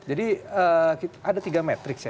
jadi ada tiga metriks ya